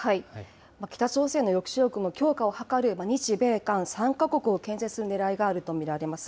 北朝鮮の抑止力の強化を図る日米韓３か国をけん制するねらいがあると見られます。